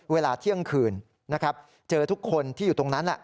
เวลาเที่ยงคืนนะครับเจอทุกคนที่อยู่ตรงนั้นแหละ